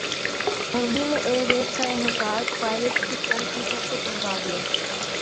Hungary میں air race کا انعقادپائلٹس کے سٹنٹس نے سب کو چونکا دیا